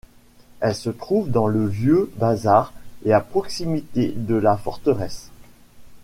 Elle se trouve dans le vieux bazar et à proximité de la forteresse.